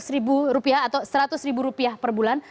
seratus ribu rupiah atau seratus ribu rupiah per bulan